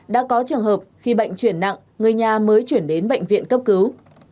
đã có trường hợp khi bệnh chuyển nặng người nhà mới chuyển đến bệnh viện cấp cứu